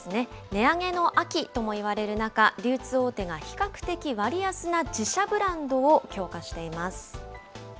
値上げの秋ともいわれる中、流通大手が比較的割安な自社ブランドを強化しています。